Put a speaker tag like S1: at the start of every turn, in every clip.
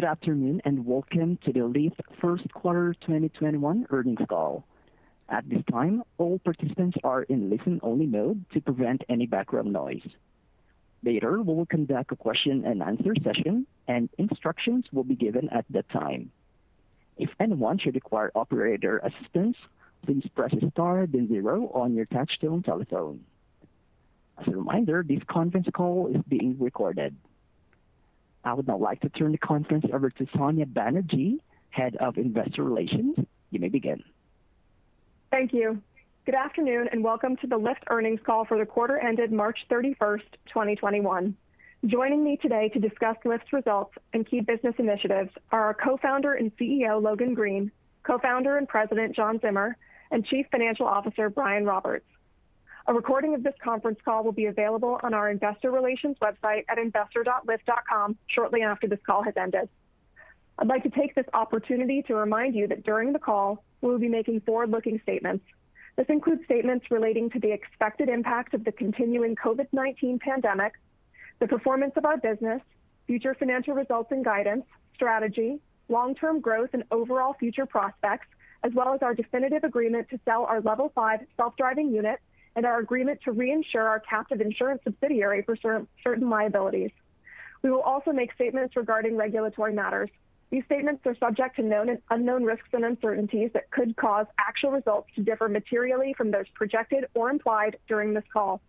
S1: Good afternoon, welcome to the Lyft First Quarter 2021 Earnings Call. I would now like to turn the conference over to Sonya Banerjee, Head of Investor Relations. You may begin.
S2: Thank you. Good afternoon, and welcome to the Lyft Earnings Call for the Quarter ended March 31st, 2021. Joining me today to discuss Lyft's results and key business initiatives are our Co-Founder and CEO, Logan Green, Co-Founder and President, John Zimmer, and Chief Financial Officer, Brian Roberts. A recording of this conference call will be available on our investor relations website at investor.lyft.com shortly after this call has ended. I'd like to take this opportunity to remind you that during the call, we will be making forward-looking statements. This includes statements relating to the expected impact of the continuing COVID-19 pandemic, the performance of our business, future financial results and guidance, strategy, long-term growth and overall future prospects, as well as our definitive agreement to sell our Level 5 self-driving unit and our agreement to reinsure our captive insurance subsidiary for certain liabilities. We will also make statements regarding regulatory matters. These statements are subject to known and unknown risks and uncertainties that could cause actual results to differ materially from those projected or implied during this call.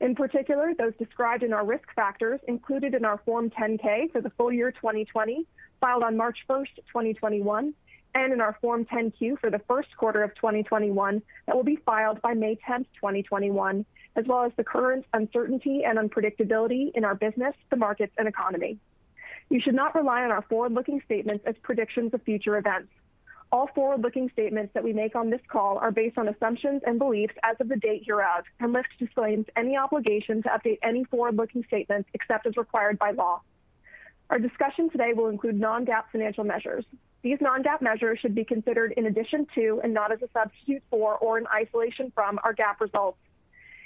S2: In particular, those described in our risk factors included in our Form 10-K for the full year 2020, filed on March 1st, 2021, and in our Form 10-Q for the first quarter of 2021 that will be filed by May 10th, 2021, as well as the current uncertainty and unpredictability in our business, the markets, and economy. You should not rely on our forward-looking statements as predictions of future events. All forward-looking statements that we make on this call are based on assumptions and beliefs as of the date hereof, and Lyft disclaims any obligation to update any forward-looking statements, except as required by law. Our discussion today will include non-GAAP financial measures. These non-GAAP measures should be considered in addition to, and not as a substitute for or in isolation from our GAAP results.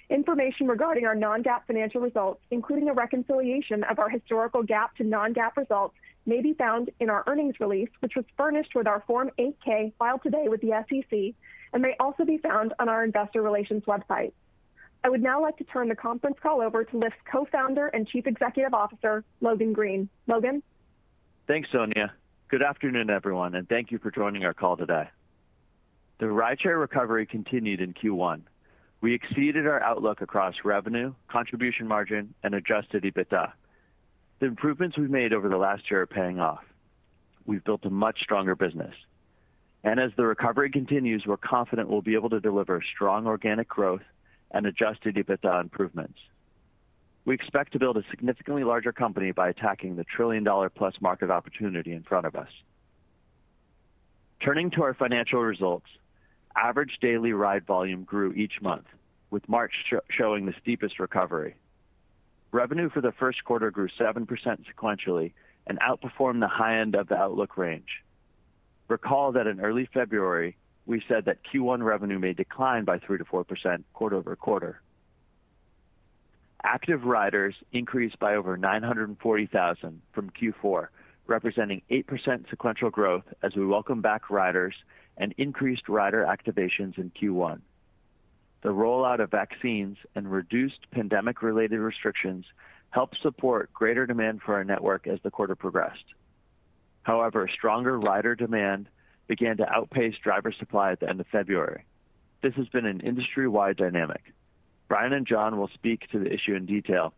S2: Information regarding our non-GAAP financial results, including a reconciliation of our historical GAAP to non-GAAP results, may be found in our earnings release, which was furnished with our Form 8-K filed today with the SEC and may also be found on our investor relations website. I would now like to turn the conference call over to Lyft's Co-Founder and Chief Executive Officer, Logan Green. Logan?
S3: Thanks, Sonya. Good afternoon, everyone, and thank you for joining our call today. The rideshare recovery continued in Q1. We exceeded our outlook across revenue, contribution margin, and adjusted EBITDA. The improvements we've made over the last year are paying off. We've built a much stronger business. As the recovery continues, we're confident we'll be able to deliver strong organic growth and adjusted EBITDA improvements. We expect to build a significantly larger company by attacking the $1 market opportunity in front of us. Turning to our financial results, average daily ride volume grew each month, with March showing the steepest recovery. Revenue for the first quarter grew 7% sequentially and outperformed the high end of the outlook range. Recall that in early February, we said that Q1 revenue may decline by 3%-4% quarter-over-quarter. Active riders increased by over 940,000 from Q4, representing 8% sequential growth as we welcome back riders and increased rider activations in Q1. The rollout of vaccines and reduced pandemic-related restrictions helped support greater demand for our network as the quarter progressed. Stronger rider demand began to outpace driver supply at the end of February. This has been an industry-wide dynamic. Brian and John will speak to the issue in detail,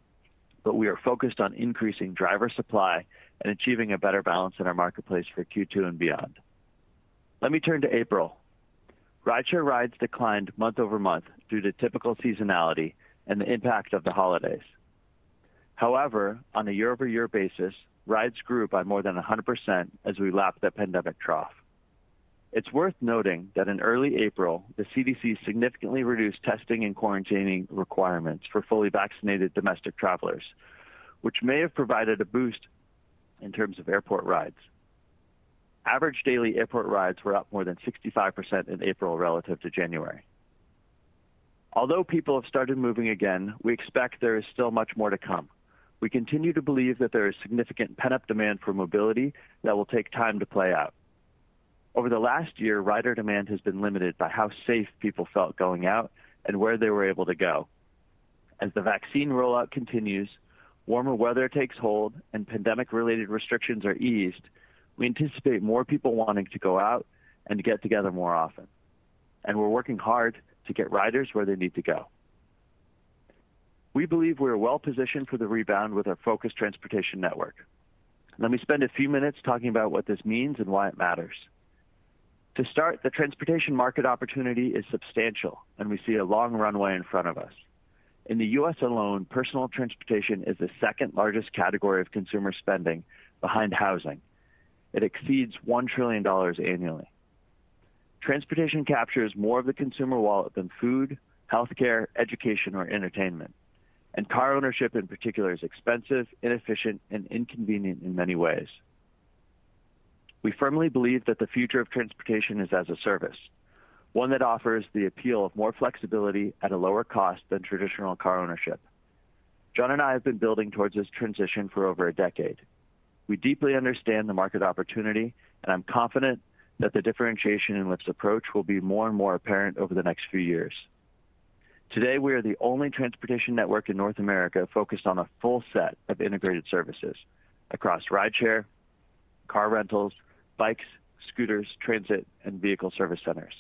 S3: we are focused on increasing driver supply and achieving a better balance in our marketplace for Q2 and beyond. Let me turn to April. Rideshare rides declined month-over-month due to typical seasonality and the impact of the holidays. On a year-over-year basis, rides grew by more than 100% as we lapped the pandemic trough. It's worth noting that in early April, the CDC significantly reduced testing and quarantining requirements for fully vaccinated domestic travelers, which may have provided a boost in terms of airport rides. Average daily airport rides were up more than 65% in April relative to January. Although people have started moving again, we expect there is still much more to come. We continue to believe that there is significant pent-up demand for mobility that will take time to play out. Over the last year, rider demand has been limited by how safe people felt going out and where they were able to go. As the vaccine rollout continues, warmer weather takes hold, and pandemic-related restrictions are eased, we anticipate more people wanting to go out and get together more often, and we're working hard to get riders where they need to go. We believe we are well-positioned for the rebound with our focused transportation network. Let me spend a few minutes talking about what this means and why it matters. To start, the transportation market opportunity is substantial, and we see a long runway in front of us. In the U.S. alone, personal transportation is the second-largest category of consumer spending behind housing. It exceeds $1 trillion annually. Transportation captures more of the consumer wallet than food, healthcare, education, or entertainment. Car ownership in particular is expensive, inefficient, and inconvenient in many ways. We firmly believe that the future of transportation is as a service, one that offers the appeal of more flexibility at a lower cost than traditional car ownership. John and I have been building towards this transition for over a decade. We deeply understand the market opportunity, and I'm confident that the differentiation in Lyft's approach will be more and more apparent over the next few years. Today, we are the only transportation network in North America focused on a full set of integrated services across rideshare, car rentals, bikes, scooters, transit, and vehicle service centers.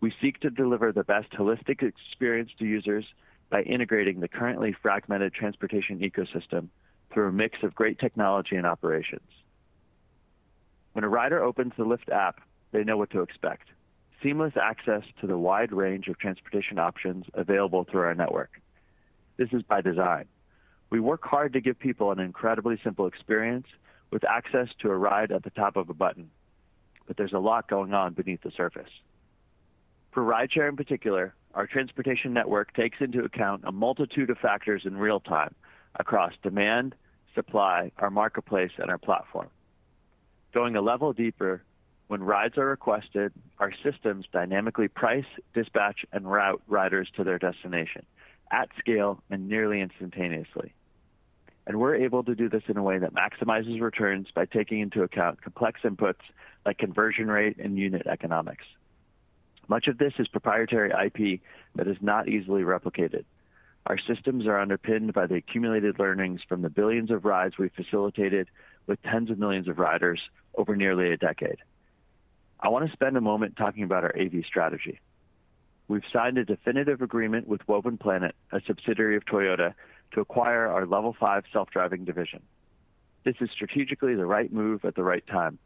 S3: We seek to deliver the best holistic experience to users by integrating the currently fragmented transportation ecosystem through a mix of great technology and operations. When a rider opens the Lyft app, they know what to expect, seamless access to the wide range of transportation options available through our network. This is by design. We work hard to give people an incredibly simple experience with access to a ride at the tap of a button. There's a lot going on beneath the surface. For rideshare in particular, our transportation network takes into account a multitude of factors in real time across demand, supply, our marketplace, and our platform. Going a level deeper, when rides are requested, our systems dynamically price, dispatch, and route riders to their destination at scale and nearly instantaneously. We're able to do this in a way that maximizes returns by taking into account complex inputs like conversion rate and unit economics. Much of this is proprietary IP that is not easily replicated. Our systems are underpinned by the accumulated learnings from the billions of rides we facilitated with tens of millions of riders over nearly a decade. I want to spend a moment talking about our AV strategy. We've signed a definitive agreement with Woven Planet, a subsidiary of Toyota, to acquire our Level 5 self-driving division. This is strategically the right move at the right time.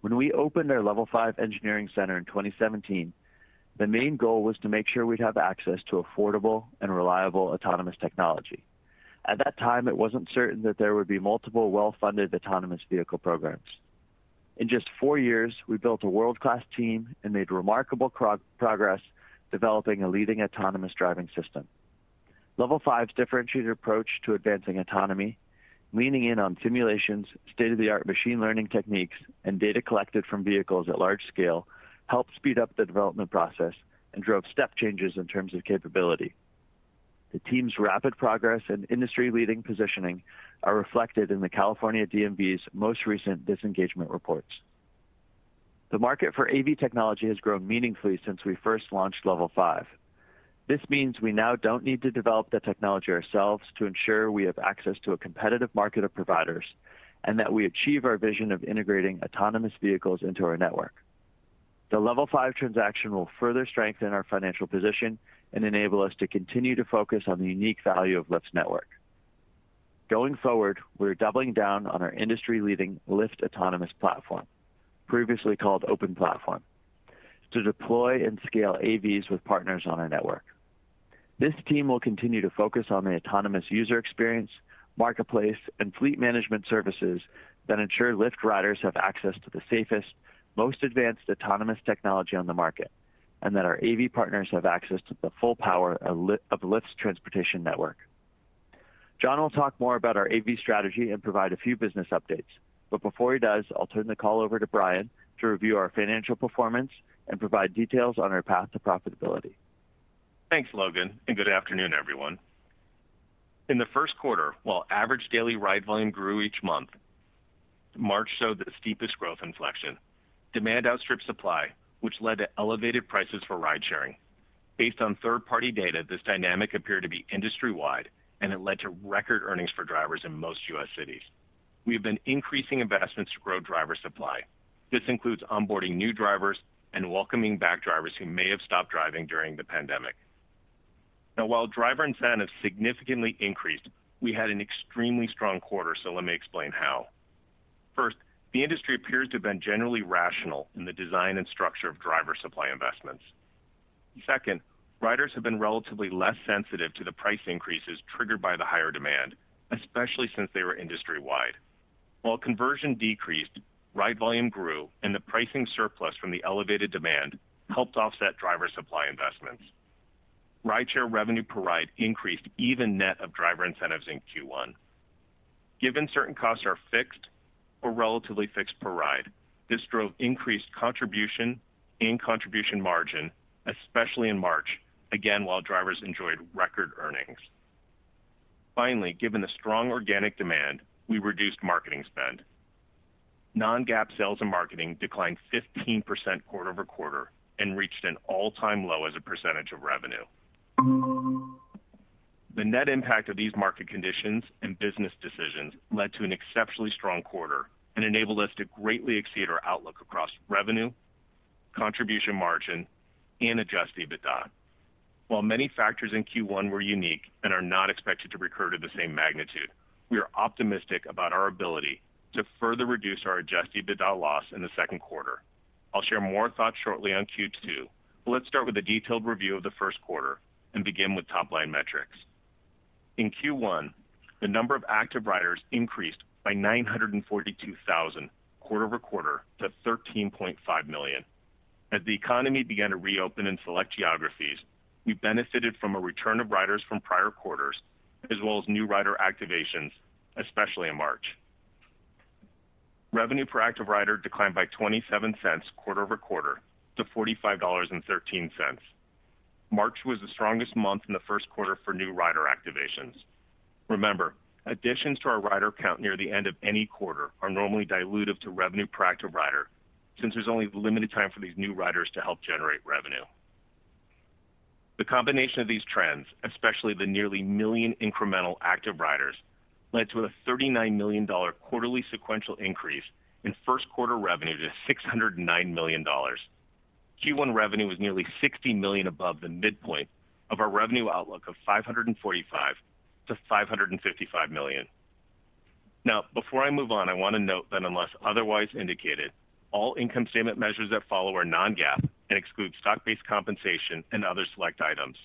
S3: When we opened our Level 5 engineering center in 2017, the main goal was to make sure we'd have access to affordable and reliable autonomous technology. At that time, it wasn't certain that there would be multiple well-funded autonomous vehicle programs. In just four years, we built a world-class team and made remarkable progress developing a leading autonomous driving system. Level 5's differentiated approach to advancing autonomy, leaning in on simulations, state-of-the-art machine learning techniques, and data collected from vehicles at large scale helped speed up the development process and drove step changes in terms of capability. The team's rapid progress and industry-leading positioning are reflected in the California DMV's most recent disengagement reports. The market for AV technology has grown meaningfully since we first launched Level 5. This means we now don't need to develop the technology ourselves to ensure we have access to a competitive market of providers, and that we achieve our vision of integrating autonomous vehicles into our network. The Level 5 transaction will further strengthen our financial position and enable us to continue to focus on the unique value of Lyft's network. Going forward, we're doubling down on our industry-leading Lyft Autonomous Platform, previously called Open Platform, to deploy and scale AVs with partners on our network. This team will continue to focus on the autonomous user experience, marketplace, and fleet management services that ensure Lyft riders have access to the safest, most advanced autonomous technology on the market, and that our AV partners have access to the full power of Lyft's transportation network. John will talk more about our AV strategy and provide a few business updates. Before he does, I'll turn the call over to Brian to review our financial performance and provide details on our path to profitability.
S4: Thanks, Logan, and good afternoon, everyone. In the first quarter, while average daily ride volume grew each month, March showed the steepest growth inflection. Demand outstripped supply, which led to elevated prices for ride-sharing. Based on third-party data, this dynamic appeared to be industry-wide, and it led to record earnings for drivers in most U.S. cities. We have been increasing investments to grow driver supply. This includes onboarding new drivers and welcoming back drivers who may have stopped driving during the pandemic. Now while driver incentives significantly increased, we had an extremely strong quarter, so let me explain how. First, the industry appears to have been generally rational in the design and structure of driver supply investments. Second, riders have been relatively less sensitive to the price increases triggered by the higher demand, especially since they were industry-wide. While conversion decreased, ride volume grew, and the pricing surplus from the elevated demand helped offset driver supply investments. Rideshare revenue per ride increased even net of driver incentives in Q1. Given certain costs are fixed or relatively fixed per ride, this drove increased contribution and contribution margin, especially in March, again while drivers enjoyed record earnings. Finally, given the strong organic demand, we reduced marketing spend. Non-GAAP sales and marketing declined 15% quarter-over-quarter and reached an all-time low as a percentage of revenue. The net impact of these market conditions and business decisions led to an exceptionally strong quarter and enabled us to greatly exceed our outlook across revenue, contribution margin, and adjusted EBITDA. While many factors in Q1 were unique and are not expected to recur to the same magnitude, we are optimistic about our ability to further reduce our adjusted EBITDA loss in the second quarter. I'll share more thoughts shortly on Q2, but let's start with a detailed review of the first quarter and begin with top-line metrics. In Q1, the number of active riders increased by 942,000 quarter-over-quarter to 13.5 million. As the economy began to reopen in select geographies, we benefited from a return of riders from prior quarters, as well as new rider activations, especially in March. Revenue per active rider declined by $0.27 quarter-over-quarter to $45.13. March was the strongest month in the first quarter for new rider activations. Remember, additions to our rider count near the end of any quarter are normally dilutive to revenue per active rider, since there's only limited time for these new riders to help generate revenue. The combination of these trends, especially the nearly million incremental active riders, led to a $39 million quarterly sequential increase in first quarter revenue to $609 million. Q1 revenue was nearly $60 million above the midpoint of our revenue outlook of $545 million-$555 million. Before I move on, I want to note that unless otherwise indicated, all income statement measures that follow are non-GAAP and exclude stock-based compensation and other select items.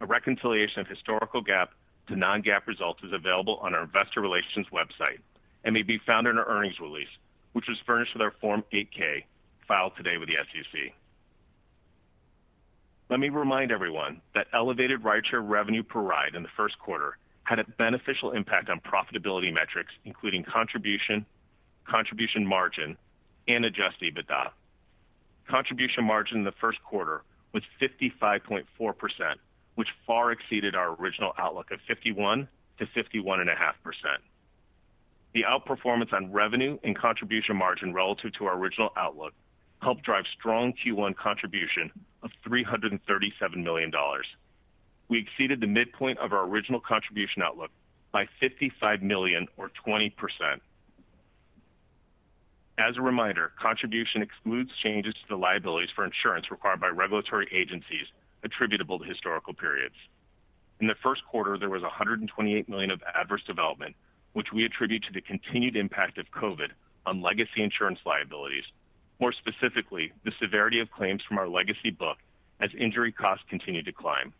S4: A reconciliation of historical GAAP to non-GAAP results is available on our investor relations website and may be found in our earnings release, which was furnished with our Form 8-K filed today with the SEC. Let me remind everyone that elevated rideshare revenue per ride in the first quarter had a beneficial impact on profitability metrics, including Contribution Margin, and adjusted EBITDA. Contribution Margin in the first quarter was 55.4%, which far exceeded our original outlook of 51%-51.5%. The outperformance on revenue and Contribution Margin relative to our original outlook helped drive strong Q1 contribution of $337 million. We exceeded the midpoint of our original contribution outlook by $55 million or 20%. As a reminder, contribution excludes changes to the liabilities for insurance required by regulatory agencies attributable to historical periods. In the first quarter, there was $128 million of adverse development, which we attribute to the continued impact of COVID on legacy insurance liabilities, more specifically, the severity of claims from our legacy book as injury costs continue to climb.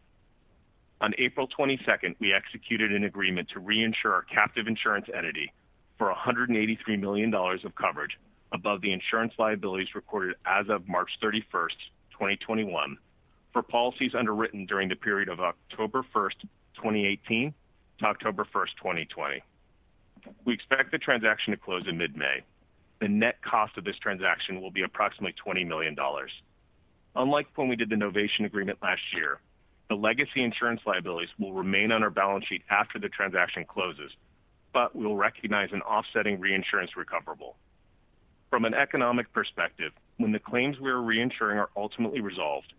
S4: On April 22nd, we executed an agreement to reinsure our captive insurance entity for $183 million of coverage above the insurance liabilities recorded as of March 31st, 2021, for policies underwritten during the period of October 1st, 2018, to October 1st, 2020. We expect the transaction to close in mid-May. The net cost of this transaction will be approximately $20 million. Unlike when we did the novation agreement last year, the legacy insurance liabilities will remain on our balance sheet after the transaction closes, but we'll recognize an offsetting reinsurance recoverable. From an economic perspective, when the claims we are reinsuring are ultimately resolved,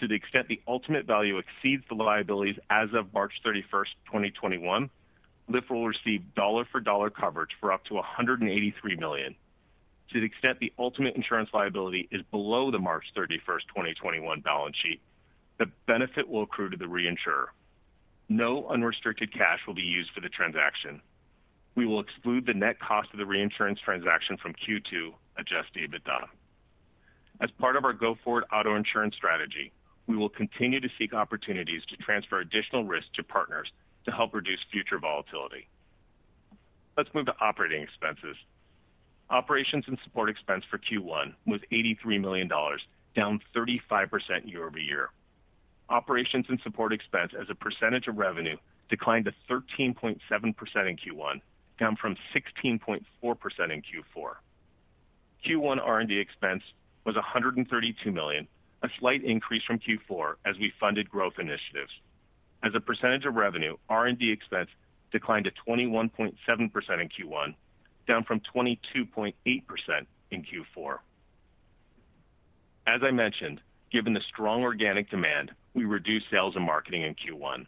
S4: to the extent the ultimate value exceeds the liabilities as of March 31st, 2021, Lyft will receive dollar for dollar coverage for up to $183 million. To the extent the ultimate insurance liability is below the March 31st, 2021, balance sheet, the benefit will accrue to the reinsurer. No unrestricted cash will be used for the transaction. We will exclude the net cost of the reinsurance transaction from Q2 adjusted EBITDA. As part of our go-forward auto insurance strategy, we will continue to seek opportunities to transfer additional risk to partners to help reduce future volatility. Let's move to operating expenses. Operations and support expense for Q1 was $83 million, down 35% year-over-year. Operations and support expense as a percentage of revenue declined to 13.7% in Q1, down from 16.4% in Q4. Q1 R&D expense was $132 million, a slight increase from Q4 as we funded growth initiatives. As a percentage of revenue, R&D expense declined to 21.7% in Q1, down from 22.8% in Q4. As I mentioned, given the strong organic demand, we reduced sales and marketing in Q1.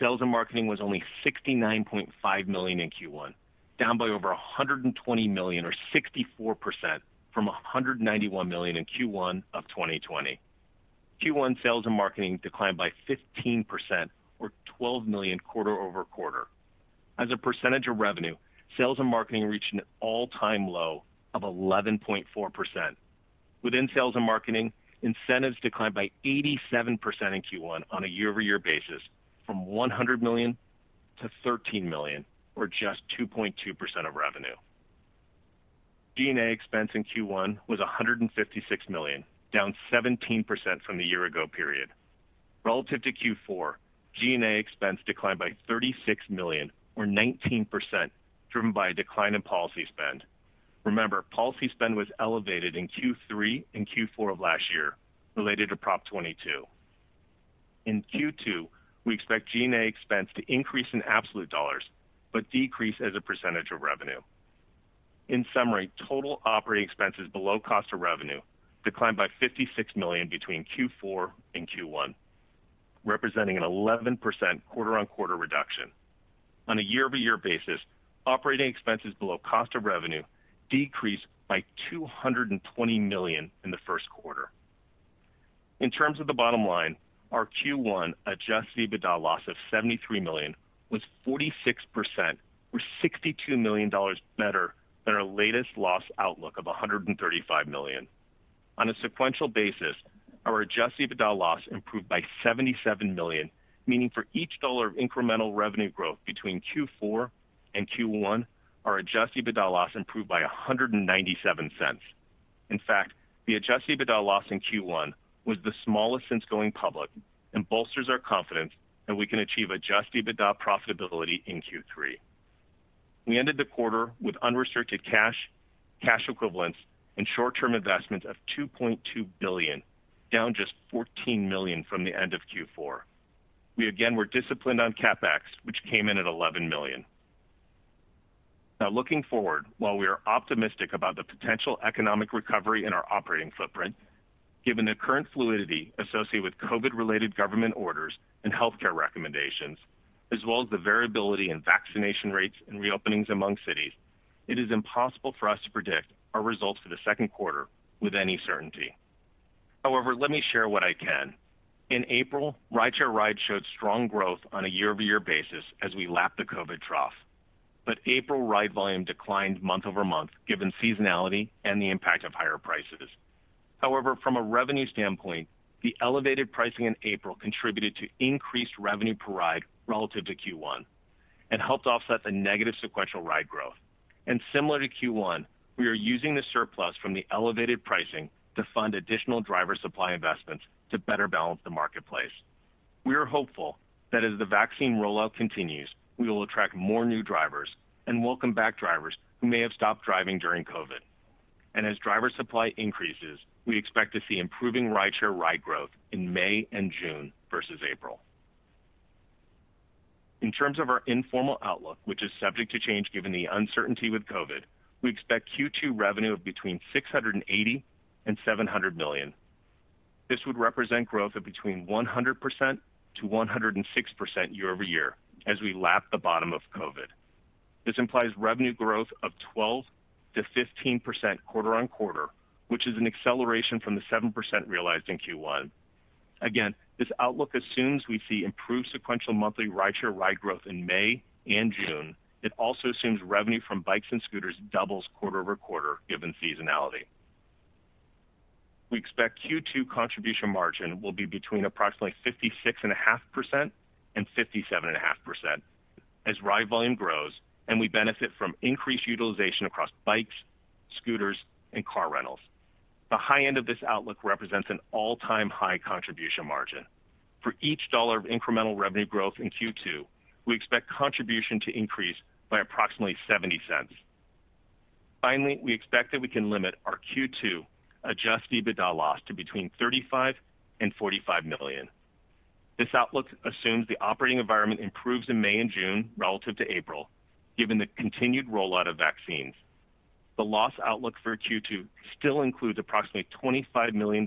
S4: Sales and marketing was only $69.5 million in Q1, down by over $120 million or 64% from $191 million in Q1 of 2020. Q1 sales and marketing declined by 15% or $12 million quarter-over-quarter. As a percentage of revenue, sales and marketing reached an all-time low of 11.4%. Within sales and marketing, incentives declined by 87% in Q1 on a year-over-year basis from $100 million to $13 million, or just 2.2% of revenue. G&A expense in Q1 was $156 million, down 17% from the year-ago period. Relative to Q4, G&A expense declined by $36 million or 19%, driven by a decline in policy spend. Remember, policy spend was elevated in Q3 and Q4 of last year related to Prop 22. In Q2, we expect G&A expense to increase in absolute dollars, but decrease as a % of revenue. In summary, total operating expenses below cost of revenue declined by $56 million between Q4 and Q1, representing an 11% quarter-on-quarter reduction. On a year-over-year basis, operating expenses below cost of revenue decreased by $220 million in the first quarter. In terms of the bottom line, our Q1 adjusted EBITDA loss of $73 million was 46% or $62 million better than our latest loss outlook of $135 million. On a sequential basis, our adjusted EBITDA loss improved by $77 million, meaning for each dollar of incremental revenue growth between Q4 and Q1, our adjusted EBITDA loss improved by $1.97. In fact, the adjusted EBITDA loss in Q1 was the smallest since going public and bolsters our confidence that we can achieve adjusted EBITDA profitability in Q3. We ended the quarter with unrestricted cash equivalents and short-term investments of $2.2 billion, down just $14 million from the end of Q4. We again were disciplined on CapEx, which came in at $11 million. Looking forward, while we are optimistic about the potential economic recovery in our operating footprint, given the current fluidity associated with COVID-related government orders and healthcare recommendations, as well as the variability in vaccination rates and reopenings among cities, it is impossible for us to predict our results for the second quarter with any certainty. Let me share what I can. In April, rideshare rides showed strong growth on a year-over-year basis as we lapped the COVID trough. April ride volume declined month-over-month, given seasonality and the impact of higher prices. However, from a revenue standpoint, the elevated pricing in April contributed to increased revenue per ride relative to Q1 and helped offset the negative sequential ride growth. Similar to Q1, we are using the surplus from the elevated pricing to fund additional driver supply investments to better balance the marketplace. We are hopeful that as the vaccine rollout continues, we will attract more new drivers and welcome back drivers who may have stopped driving during COVID. As driver supply increases, we expect to see improving rideshare ride growth in May and June versus April. In terms of our informal outlook, which is subject to change given the uncertainty with COVID, we expect Q2 revenue of between $680 million and $700 million. This would represent growth of between 100%-106% year-over-year as we lap the bottom of COVID. This implies revenue growth of 12%-15% quarter-on-quarter, which is an acceleration from the 7% realized in Q1. Again, this outlook assumes we see improved sequential monthly rideshare ride growth in May and June. It also assumes revenue from bikes and scooters doubles quarter-over-quarter, given seasonality. We expect Q2 contribution margin will be between approximately 56.5%-57.5% as ride volume grows and we benefit from increased utilization across bikes, scooters, and car rentals. The high end of this outlook represents an all-time high contribution margin. For each dollar of incremental revenue growth in Q2, we expect contribution to increase by approximately $0.70. Finally, we expect that we can limit our Q2 adjusted EBITDA loss to between $35 million-$45 million. This outlook assumes the operating environment improves in May and June relative to April, given the continued rollout of vaccines. The loss outlook for Q2 still includes approximately $25 million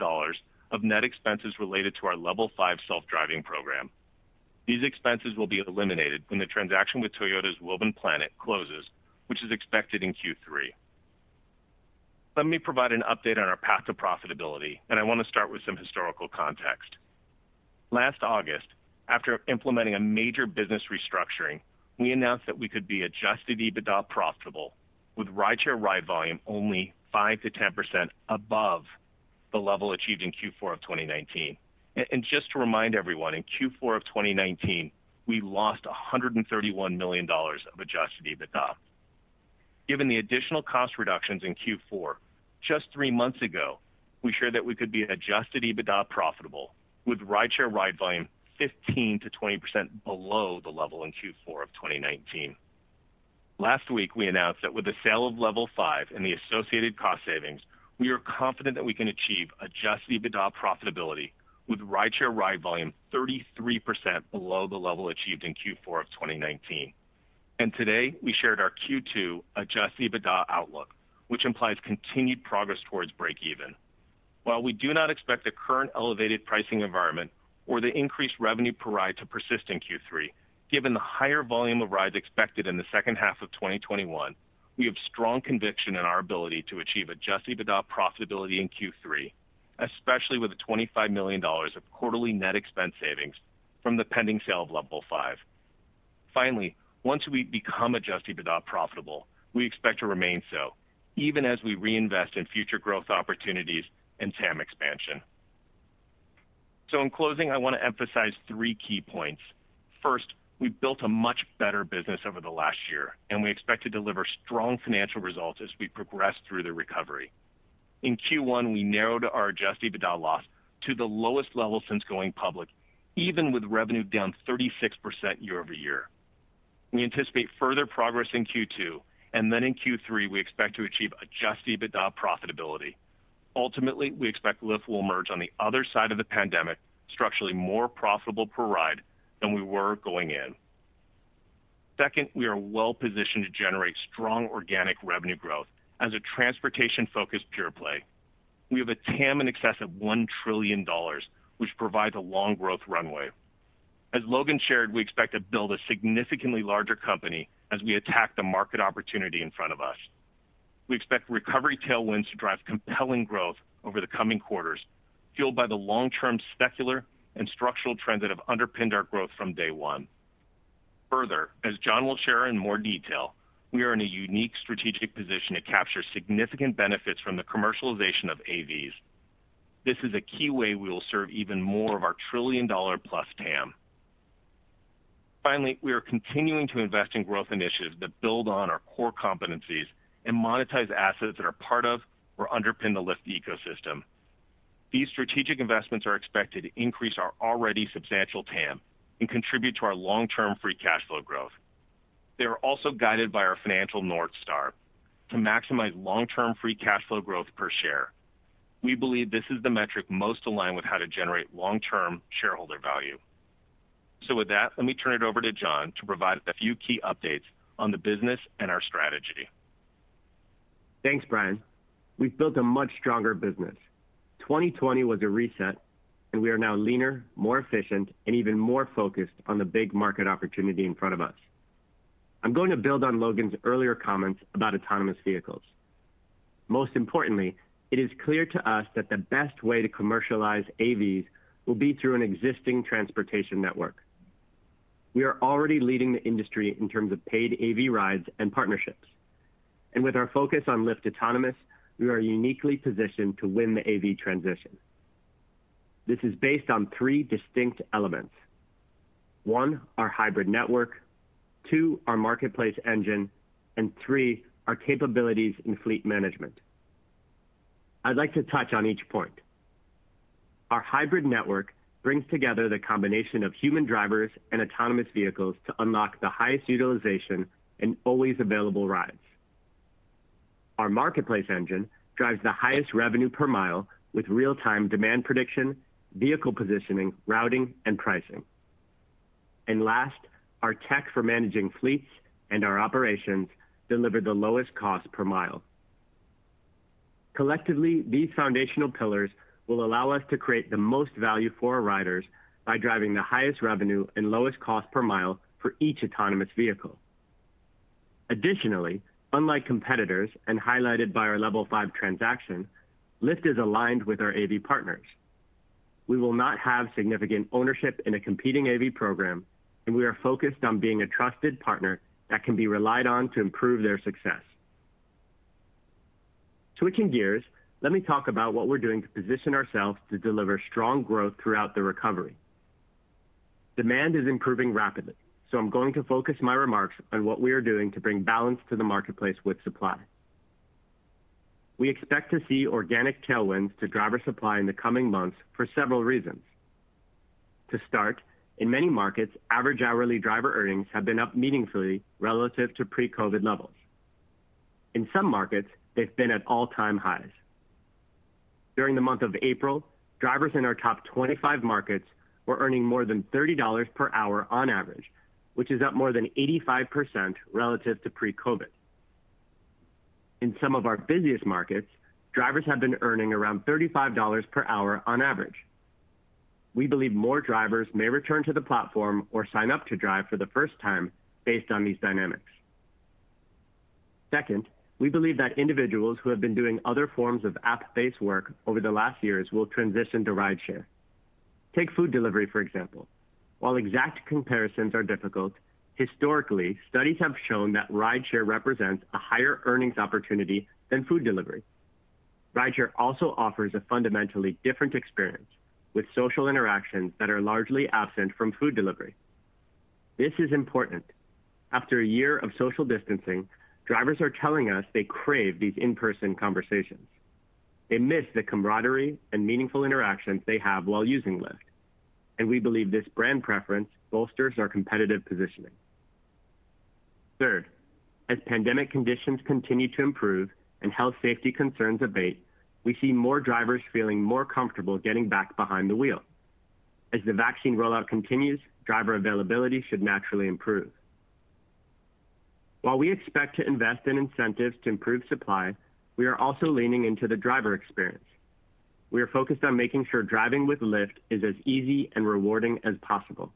S4: of net expenses related to our Level 5 self-driving program. These expenses will be eliminated when the transaction with Toyota's Woven Planet closes, which is expected in Q3. Let me provide an update on our path to profitability, I want to start with some historical context. Last August, after implementing a major business restructuring, we announced that we could be adjusted EBITDA profitable with rideshare ride volume only 5%-10% above the level achieved in Q4 of 2019. Just to remind everyone, in Q4 of 2019, we lost $131 million of adjusted EBITDA. Given the additional cost reductions in Q4, just three months ago, we shared that we could be adjusted EBITDA profitable with rideshare ride volume 15%-20% below the level in Q4 of 2019. Last week, we announced that with the sale of Level 5 and the associated cost savings, we are confident that we can achieve adjusted EBITDA profitability with rideshare ride volume 33% below the level achieved in Q4 of 2019. Today, we shared our Q2 adjusted EBITDA outlook, which implies continued progress towards break even. While we do not expect the current elevated pricing environment or the increased revenue per ride to persist in Q3, given the higher volume of rides expected in the second half of 2021, we have strong conviction in our ability to achieve adjusted EBITDA profitability in Q3, especially with the $25 million of quarterly net expense savings from the pending sale of Level 5. Finally, once we become adjusted EBITDA profitable, we expect to remain so, even as we reinvest in future growth opportunities and TAM expansion. In closing, I want to emphasize three key points. First, we've built a much better business over the last year, and we expect to deliver strong financial results as we progress through the recovery. In Q1, we narrowed our adjusted EBITDA loss to the lowest level since going public, even with revenue down 36% year-over-year. We anticipate further progress in Q2, and then in Q3, we expect to achieve adjusted EBITDA profitability. Ultimately, we expect Lyft will emerge on the other side of the pandemic structurally more profitable per ride than we were going in. Second, we are well positioned to generate strong organic revenue growth as a transportation-focused pure play. We have a TAM in excess of $1 trillion, which provides a long growth runway. As Logan shared, we expect to build a significantly larger company as we attack the market opportunity in front of us. We expect recovery tailwinds to drive compelling growth over the coming quarters, fueled by the long-term secular and structural trends that have underpinned our growth from day one. Further, as John will share in more detail, we are in a unique strategic position to capture significant benefits from the commercialization of AVs. This is a key way we will serve even more of our $1 trillion+ TAM. Finally, we are continuing to invest in growth initiatives that build on our core competencies and monetize assets that are part of or underpin the Lyft ecosystem. These strategic investments are expected to increase our already substantial TAM and contribute to our long-term free cash flow growth. They are also guided by our financial North Star to maximize long-term free cash flow growth per share. We believe this is the metric most aligned with how to generate long-term shareholder value. With that, let me turn it over to John to provide a few key updates on the business and our strategy.
S5: Thanks, Brian. We've built a much stronger business. 2020 was a reset. We are now leaner, more efficient, and even more focused on the big market opportunity in front of us. I'm going to build on Logan's earlier comments about autonomous vehicles. Most importantly, it is clear to us that the best way to commercialize AVs will be through an existing transportation network. We are already leading the industry in terms of paid AV rides and partnerships. With our focus on Lyft Autonomous, we are uniquely positioned to win the AV transition. This is based on three distinct elements. One, our hybrid network, two, our marketplace engine, and three, our capabilities in fleet management. I'd like to touch on each point. Our hybrid network brings together the combination of human drivers and autonomous vehicles to unlock the highest utilization and always available rides. Our marketplace engine drives the highest revenue per mile with real-time demand prediction, vehicle positioning, routing, and pricing. Last, our tech for managing fleets and our operations deliver the lowest cost per mile. Collectively, these foundational pillars will allow us to create the most value for our riders by driving the highest revenue and lowest cost per mile for each autonomous vehicle. Additionally, unlike competitors, and highlighted by our Level 5 transaction, Lyft is aligned with our AV partners. We will not have significant ownership in a competing AV program, and we are focused on being a trusted partner that can be relied on to improve their success. Switching gears, let me talk about what we're doing to position ourselves to deliver strong growth throughout the recovery. Demand is improving rapidly. I'm going to focus my remarks on what we are doing to bring balance to the marketplace with supply. We expect to see organic tailwinds to driver supply in the coming months for several reasons. To start, in many markets, average hourly driver earnings have been up meaningfully relative to pre-COVID-19 levels. In some markets, they've been at all-time highs. During the month of April, drivers in our top 25 markets were earning more than $30 per hour on average, which is up more than 85% relative to pre-COVID-19. In some of our busiest markets, drivers have been earning around $35 per hour on average. We believe more drivers may return to the platform or sign up to drive for the first time based on these dynamics. We believe that individuals who have been doing other forms of app-based work over the last years will transition to rideshare. Take food delivery, for example. While exact comparisons are difficult, historically, studies have shown that rideshare represents a higher earnings opportunity than food delivery. Rideshare also offers a fundamentally different experience, with social interactions that are largely absent from food delivery. This is important. After a year of social distancing, drivers are telling us they crave these in-person conversations. They miss the camaraderie and meaningful interactions they have while using Lyft, and we believe this brand preference bolsters our competitive positioning. As pandemic conditions continue to improve and health safety concerns abate, we see more drivers feeling more comfortable getting back behind the wheel. As the vaccine rollout continues, driver availability should naturally improve. While we expect to invest in incentives to improve supply, we are also leaning into the driver experience. We are focused on making sure driving with Lyft is as easy and rewarding as possible,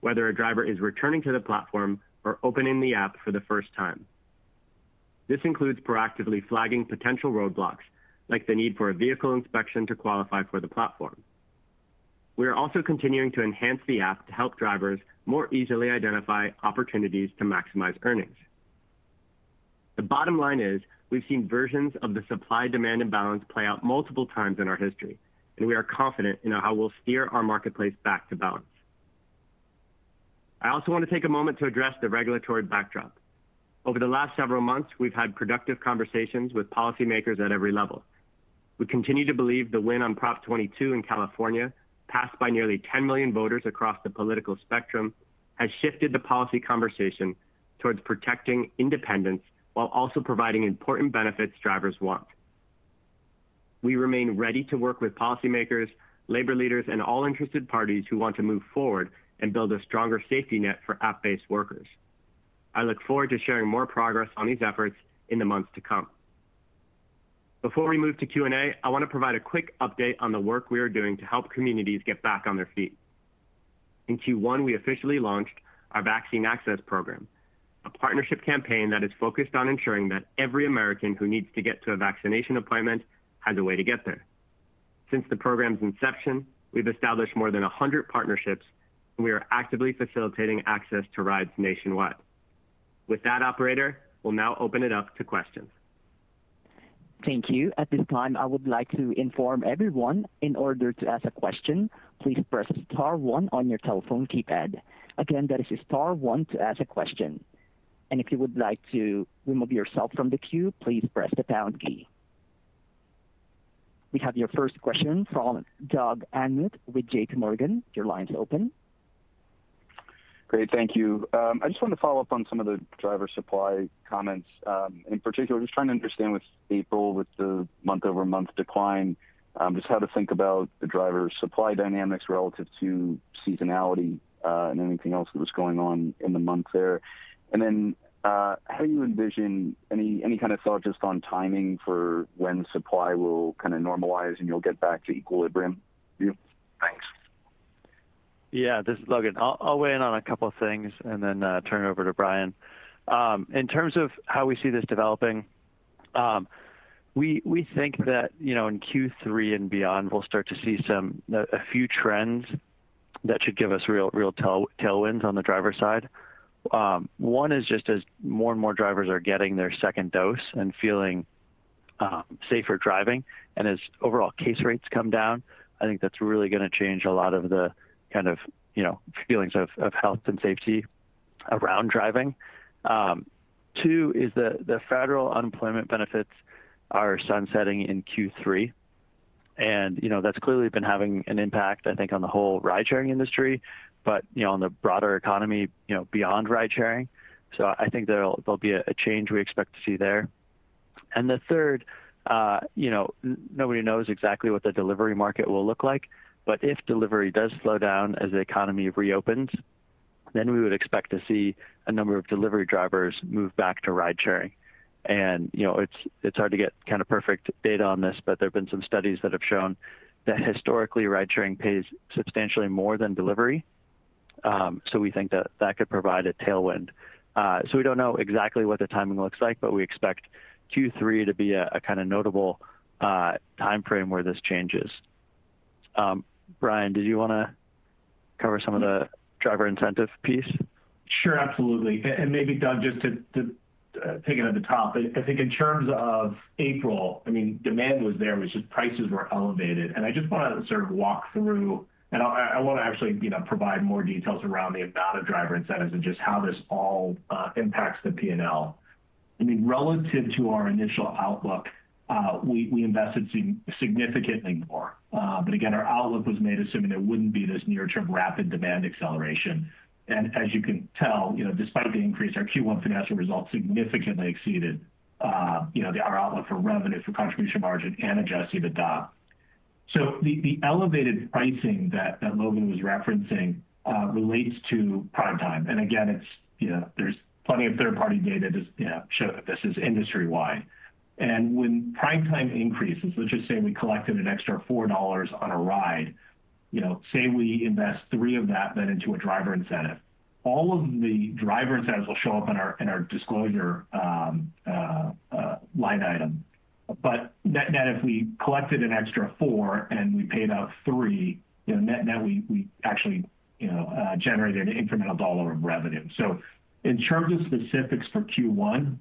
S5: whether a driver is returning to the platform or opening the app for the first time. This includes proactively flagging potential roadblocks, like the need for a vehicle inspection to qualify for the platform. We are also continuing to enhance the app to help drivers more easily identify opportunities to maximize earnings. The bottom line is we've seen versions of the supply-demand imbalance play out multiple times in our history, and we are confident in how we'll steer our marketplace back to balance. I also want to take a moment to address the regulatory backdrop. Over the last several months, we've had productive conversations with policymakers at every level. We continue to believe the win on Prop 22 in California, passed by nearly 10 million voters across the political spectrum, has shifted the policy conversation towards protecting independence while also providing important benefits drivers want. We remain ready to work with policymakers, labor leaders, and all interested parties who want to move forward and build a stronger safety net for app-based workers. I look forward to sharing more progress on these efforts in the months to come. Before we move to Q&A, I want to provide a quick update on the work we are doing to help communities get back on their feet. In Q1, we officially launched our Vaccine Access program, a partnership campaign that is focused on ensuring that every American who needs to get to a vaccination appointment has a way to get there. Since the program's inception, we've established more than 100 partnerships, and we are actively facilitating access to rides nationwide. With that, operator, we'll now open it up to questions.
S1: Thank you. At this time, I would like to inform everyone, in order to ask a question, please press star one on your telephone keypad. Again, that is star one to ask a question. If you would like to remove yourself from the queue, please press the pound key. We have your first question from Doug Anmuth with JPMorgan. Your line's open.
S6: Great. Thank you. I just wanted to follow up on some of the driver supply comments. In particular, just trying to understand with April, with the month-over-month decline, just how to think about the driver supply dynamics relative to seasonality, and anything else that was going on in the month there. How do you envision any kind of thought just on timing for when supply will kind of normalize and you'll get back to equilibrium view? Thanks.
S3: Yeah. This is Logan. I'll weigh in on a couple of things and then turn it over to Brian. In terms of how we see this developing, we think that, in Q3 and beyond, we'll start to see a few trends that should give us real tailwinds on the driver side. One is just as more and more drivers are getting their second dose and feeling safer driving, and as overall case rates come down, I think that's really going to change a lot of the feelings of health and safety around driving. Two is the federal unemployment benefits are sunsetting in Q3, and that's clearly been having an impact, I think, on the whole ride-sharing industry, but on the broader economy beyond ride sharing. I think there'll be a change we expect to see there. The third, nobody knows exactly what the delivery market will look like, but if delivery does slow down as the economy reopens, then we would expect to see a number of delivery drivers move back to ride sharing. It's hard to get perfect data on this, but there have been some studies that have shown that historically, ride sharing pays substantially more than delivery. We think that that could provide a tailwind. We don't know exactly what the timing looks like, but we expect Q3 to be a notable timeframe where this changes. Brian, did you want to cover some of the driver incentive piece?
S4: Absolutely. Maybe, Doug, just to take it at the top, I think in terms of April, demand was there, it was just prices were elevated. I just want to sort of walk through, and I want to actually provide more details around the amount of driver incentives and just how this all impacts the P&L. Relative to our initial outlook, we invested significantly more. Again, our outlook was made assuming there wouldn't be this near-term rapid demand acceleration. As you can tell, despite the increase, our Q1 financial results significantly exceeded our outlook for revenue, for contribution margin, and adjusted EBITDA. The elevated pricing that Logan was referencing relates to Prime Time. Again, there's plenty of third-party data that show that this is industry-wide. When Prime Time increases, let's just say we collected an extra $4 on a ride, say we invest three of that then into a driver incentive. All of the driver incentives will show up in our disclosure line item. Net, if we collected an extra four and we paid out three, net we actually generated an incremental dollar of revenue. In terms of specifics for Q1,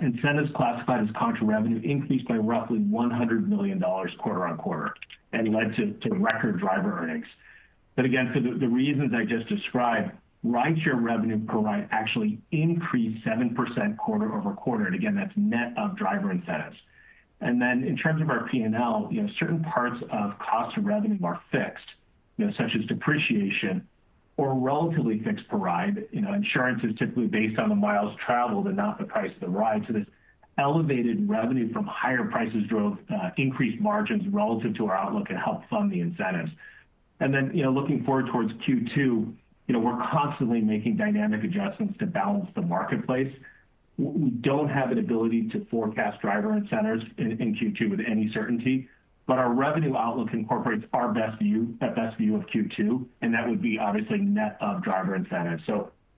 S4: incentives classified as contra revenue increased by roughly $100 million quarter-over-quarter and led to record driver earnings. Again, for the reasons I just described, rideshare revenue per ride actually increased 7% quarter-over-quarter. Again, that's net of driver incentives. In terms of our P&L, certain parts of cost of revenue are fixed, such as depreciation or relatively fixed per ride. Insurance is typically based on the miles traveled and not the price of the ride. This elevated revenue from higher prices drove increased margins relative to our outlook and helped fund the incentives. Looking forward towards Q2, we're constantly making dynamic adjustments to balance the marketplace. We don't have an ability to forecast driver incentives in Q2 with any certainty, but our revenue outlook incorporates our best view of Q2, and that would be obviously net of driver incentives.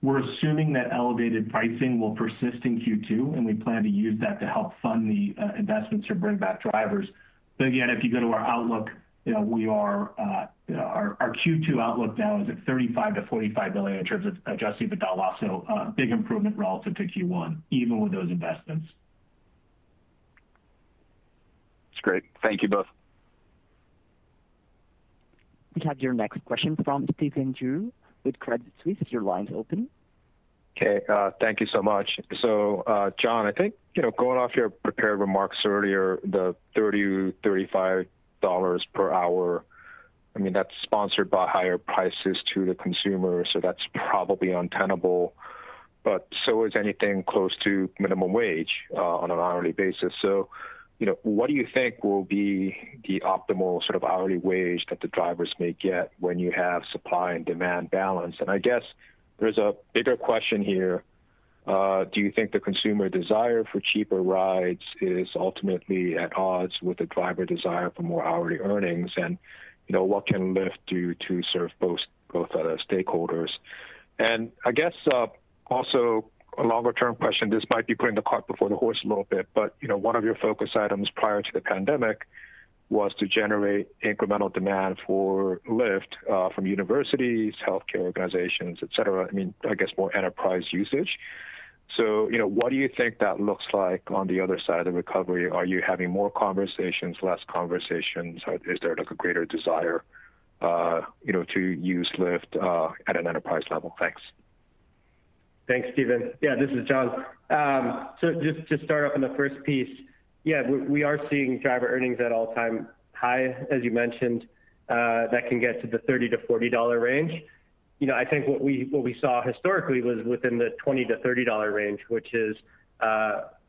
S4: We're assuming that elevated pricing will persist in Q2, and we plan to use that to help fund the investments to bring back drivers. Our Q2 outlook now is at $35 million to $45 million in terms of adjusted EBITDA, a big improvement relative to Q1, even with those investments.
S6: That's great. Thank you both.
S1: We have your next question from Stephen Ju with Credit Suisse. Your line's open.
S7: Okay. Thank you so much. John, I think, going off your prepared remarks earlier, the $30-$35/hour, that's sponsored by higher prices to the consumer, so that's probably untenable, but so is anything close to minimum wage on an hourly basis. What do you think will be the optimal sort of hourly wage that the drivers may get when you have supply and demand balance? I guess there's a bigger question here. Do you think the consumer desire for cheaper rides is ultimately at odds with the driver desire for more hourly earnings? What can Lyft do to serve both stakeholders? I guess also a longer-term question, this might be putting the cart before the horse a little bit, but one of your focus items prior to the pandemic was to generate incremental demand for Lyft from universities, healthcare organizations, et cetera, I guess more enterprise usage. What do you think that looks like on the other side of the recovery? Are you having more conversations, less conversations? Is there a greater desire to use Lyft at an enterprise level? Thanks.
S5: Thanks, Stephen. This is John. Just to start off on the first piece, we are seeing driver earnings at all-time high, as you mentioned. That can get to the $30-$40 range. I think what we saw historically was within the $20-$30 range, which is,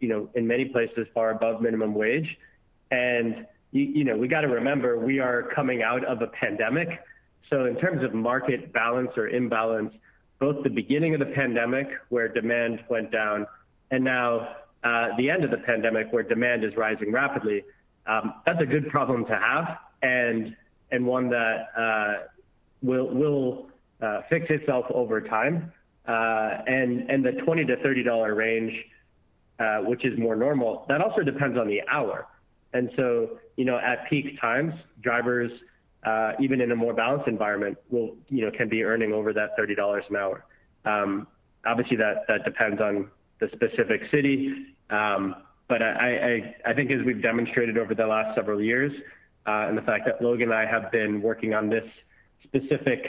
S5: in many places, far above minimum wage. We got to remember, we are coming out of a pandemic, so in terms of market balance or imbalance, both the beginning of the pandemic, where demand went down, and now the end of the pandemic, where demand is rising rapidly, that's a good problem to have, and one that will fix itself over time. The $20-$30 range, which is more normal, that also depends on the hour. At peak times, drivers, even in a more balanced environment can be earning over that $30 an hour. Obviously, that depends on the specific city. I think as we've demonstrated over the last several years, and the fact that Logan and I have been working on this specific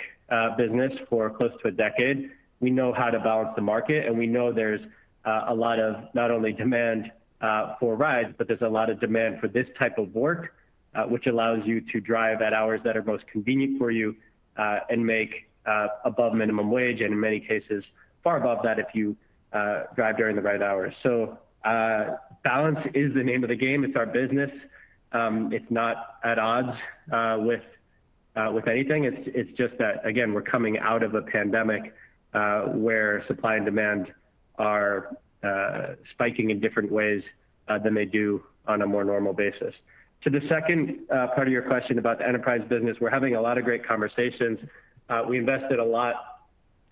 S5: business for close to a decade, we know how to balance the market, and we know there's a lot of not only demand for rides, but there's a lot of demand for this type of work, which allows you to drive at hours that are most convenient for you, and make above minimum wage, and in many cases, far above that if you drive during the right hours. Balance is the name of the game. It's our business. It's not at odds with anything. It's just that, again, we're coming out of a pandemic, where supply and demand are spiking in different ways than they do on a more normal basis. To the second part of your question about the enterprise business, we're having a lot of great conversations. We invested a lot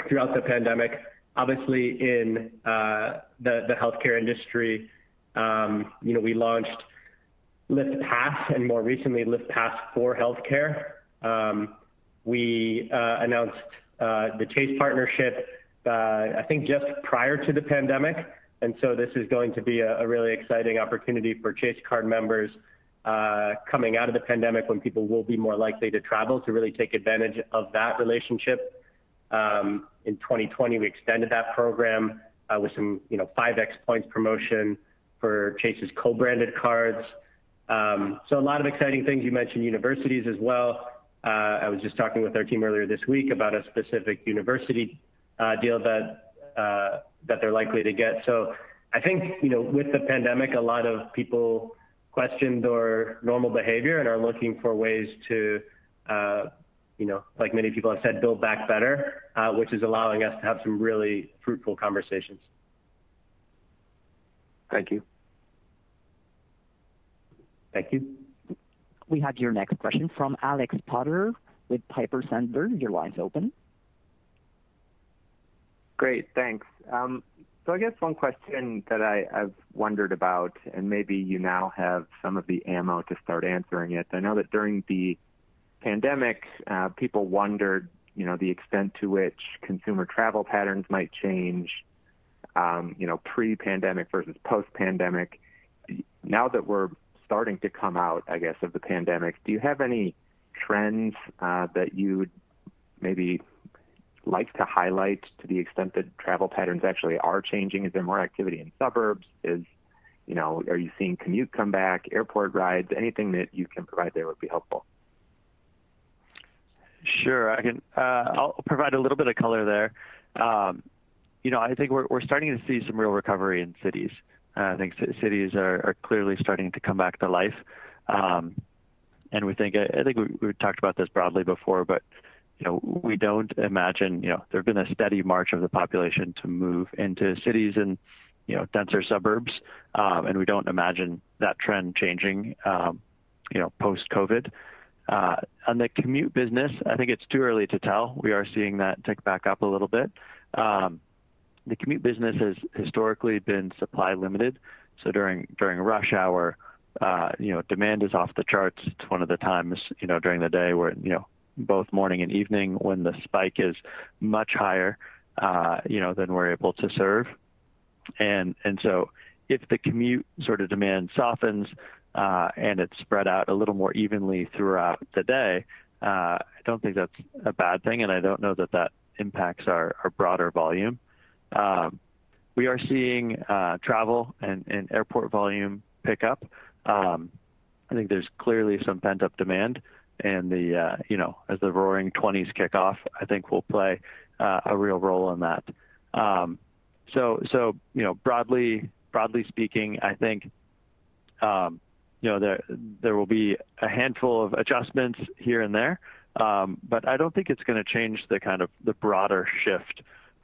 S5: throughout the pandemic, obviously in the healthcare industry. We launched Lyft Pass, and more recently, Lyft Pass for Healthcare. We announced the Chase partnership, I think just prior to the pandemic. This is going to be a really exciting opportunity for Chase card members coming out of the pandemic, when people will be more likely to travel to really take advantage of that relationship. In 2020, we extended that program with some 5x points promotion for Chase's co-branded cards. A lot of exciting things. You mentioned universities as well. I was just talking with our team earlier this week about a specific university deal that they're likely to get. I think, with the pandemic, a lot of people questioned their normal behavior and are looking for ways to, like many people have said, build back better, which is allowing us to have some really fruitful conversations.
S7: Thank you.
S5: Thank you.
S1: We have your next question from Alex Potter with Piper Sandler. Your line's open.
S8: Great, thanks. I guess one question that I've wondered about, and maybe you now have some of the ammo to start answering it. I know that during the pandemic, people wondered the extent to which consumer travel patterns might change pre-pandemic versus post-pandemic. Now that we're starting to come out, I guess, of the pandemic, do you have any trends that you'd maybe like to highlight to the extent that travel patterns actually are changing? Is there more activity in suburbs? Are you seeing commute come back, airport rides? Anything that you can provide there would be helpful.
S3: Sure. I'll provide a little bit of color there. I think we're starting to see some real recovery in cities. I think cities are clearly starting to come back to life. I think we talked about this broadly before, but we don't imagine there's been a steady march of the population to move into cities and denser suburbs. We don't imagine that trend changing post-COVID-19. On the commute business, I think it's too early to tell. We are seeing that tick back up a little bit. The commute business has historically been supply-limited, so during rush hour, demand is off the charts. It's one of the times during the day where, both morning and evening, when the spike is much higher than we're able to serve. If the commute demand softens, and it's spread out a little more evenly throughout the day, I don't think that's a bad thing, and I don't know that that impacts our broader volume. We are seeing travel and airport volume pick up. I think there's clearly some pent-up demand, and as the Roaring '20s kick off, I think we'll play a real role in that. Broadly speaking, I think there will be a handful of adjustments here and there. I don't think it's going to change the broader shift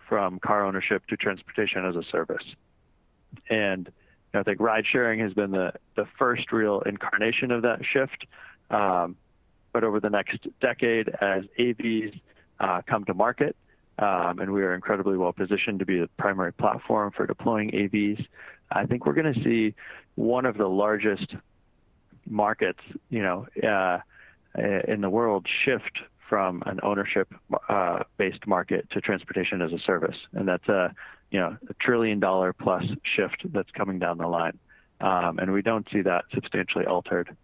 S3: from car ownership to transportation as a service. I think ride-sharing has been the first real incarnation of that shift. Over the next decade, as AVs come to market, and we are incredibly well-positioned to be the primary platform for deploying AVs, I think we're going to see one of the largest markets in the world shift from an ownership-based market to transportation as a service. That's a $1 trillion+ shift that's coming down the line. We don't see that substantially altered.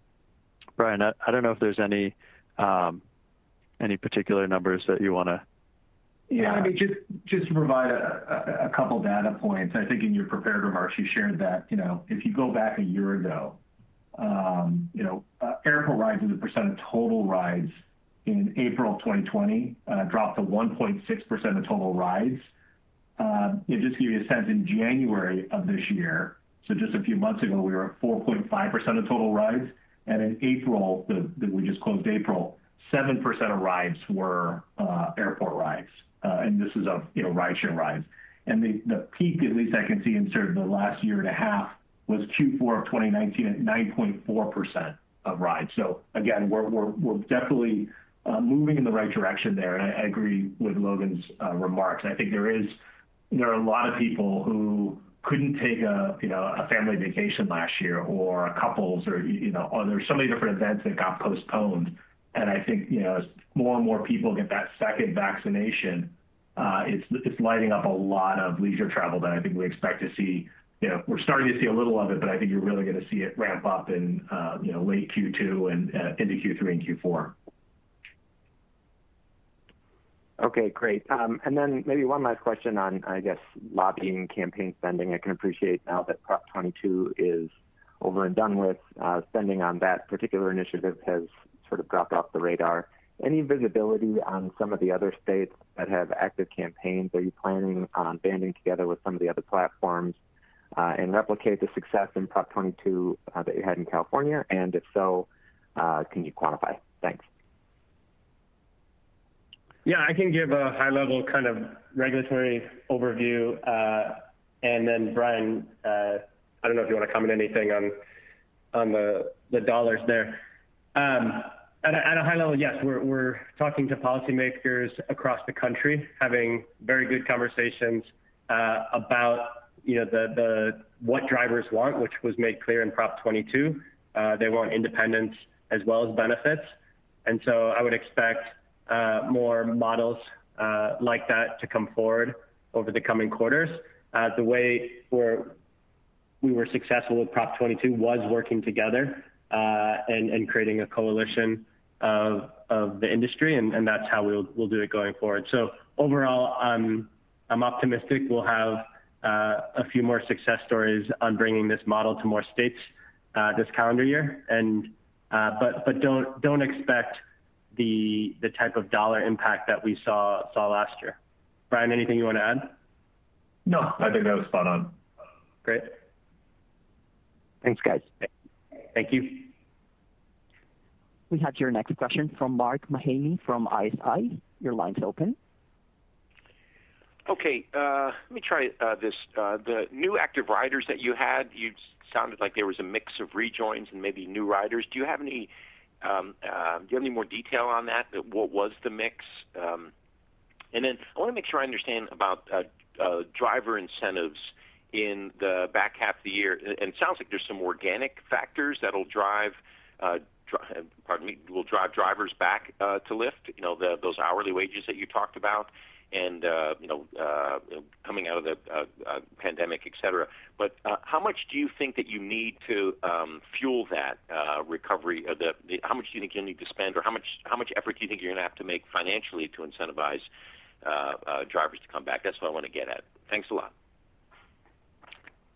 S3: Brian, I don't know if there's any particular numbers that you want to add.
S4: Yeah. Just to provide a couple data points. I think in your prepared remarks, you shared that if you go back a year ago, airport rides as a percent of total rides in April 2020 dropped to 1.6% of total rides. Just to give you a sense, in January of this year, so just a few months ago, we were at 4.5% of total rides, and in April, we just closed April, 7% of rides were airport rides. This is of rideshare rides. The peak, at least I can see in sort of the last year and a half, was Q4 of 2019 at 9.4% of rides. Again, we're definitely moving in the right direction there, and I agree with Logan's remarks. I think there are a lot of people who couldn't take a family vacation last year or couples or there were so many different events that got postponed. I think, as more and more people get that second vaccination, it's lighting up a lot of leisure travel that I think we expect to see. We're starting to see a little of it, but I think you're really going to see it ramp up in late Q2 and into Q3 and Q4.
S8: Okay, great. Then maybe one last question on, I guess, lobbying campaign spending. I can appreciate now that Prop 22 is over and done with. Spending on that particular initiative has sort of dropped off the radar. Any visibility on some of the other states that have active campaigns? Are you planning on banding together with some of the other platforms and replicate the success in Prop 22 that you had in California? If so, can you quantify? Thanks.
S5: Yeah, I can give a high-level kind of regulatory overview. Brian, I don't know if you want to comment anything on the dollars there. At a high level, yes, we're talking to policymakers across the country, having very good conversations about what drivers want, which was made clear in Prop 22. They want independence as well as benefits. I would expect more models like that to come forward over the coming quarters. The way we were successful with Prop 22 was working together and creating a coalition of the industry, and that's how we'll do it going forward. Overall, I'm optimistic we'll have a few more success stories on bringing this model to more states this calendar year. Don't expect the type of dollar impact that we saw last year. Brian, anything you want to add?
S4: No, I think that was spot on.
S5: Great.
S8: Thanks, guys.
S5: Thank you.
S1: We have your next question from Mark Mahaney from ISI. Your line's open.
S9: Okay. Let me try this. The new active riders that you had, you sounded like there was a mix of rejoins and maybe new riders. Do you have any more detail on that? What was the mix? I want to make sure I understand about driver incentives in the back half of the year. It sounds like there's some organic factors that'll drive, pardon me, will drive drivers back to Lyft, those hourly wages that you talked about and coming out of the pandemic, et cetera. How much do you think that you need to fuel that recovery? How much do you think you'll need to spend, or how much effort do you think you're going to have to make financially to incentivize drivers to come back? That's what I want to get at. Thanks a lot.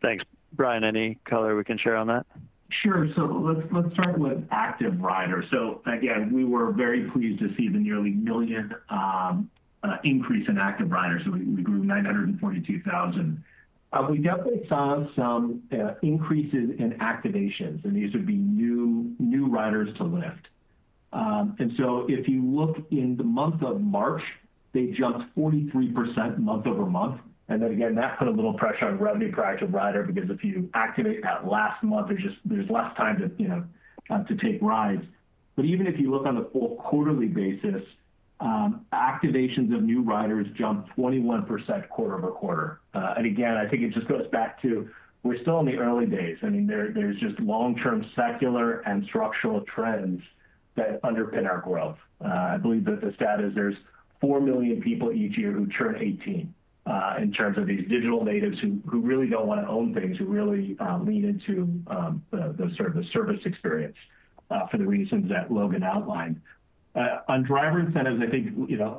S3: Thanks. Brian, any color we can share on that?
S4: Sure. Let's start with active riders. Again, we were very pleased to see the nearly 1 million increase in active riders. We grew 942,000. We definitely saw some increases in activations, and these would be new riders to Lyft. If you look in the month of March, they jumped 43% month-over-month. Then again, that put a little pressure on revenue per active rider because if you activate that last month, there's less time to take rides. Even if you look on the full quarterly basis, activations of new riders jumped 21% quarter-over-quarter. Again, I think it just goes back to we're still in the early days. There's just long-term secular and structural trends that underpin our growth. I believe that the stat is there's 4 million people each year who turn 18, in terms of these digital natives who really don't want to own things, who really lean into the sort of service experience for the reasons that Logan outlined. On driver incentives, I think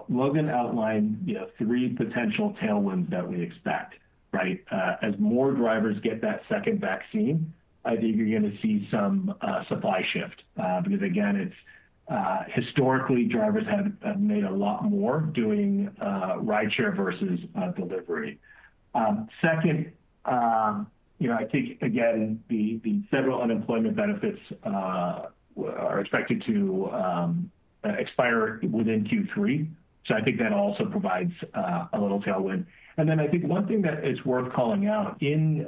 S4: Logan outlined three potential tailwinds that we expect, right? As more drivers get that second vaccine, I think you're going to see some supply shift. Because again, historically drivers have made a lot more doing rideshare versus delivery. Second, I think, again, the federal unemployment benefits are expected to expire within Q3, so I think that also provides a little tailwind. I think one thing that is worth calling out in